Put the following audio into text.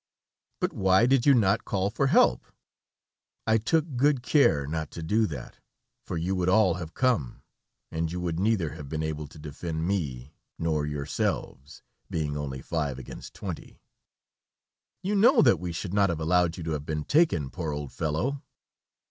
"But why did you not call for help?" "I took good care not to do that, for you would all have come, and you would neither have been able to defend me nor yourselves, being only five against twenty." "You know that we should not have allowed you to have been taken, poor old fellow."